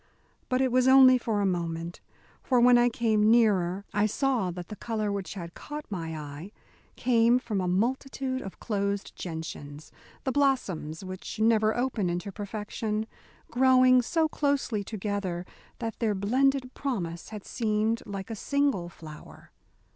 But it was only for a moment, for when I came nearer I saw that the colour which had caught my eye came from a multitude of closed gentians the blossoms which never open into perfection growing so closely together that their blended promise had seemed like a single flower.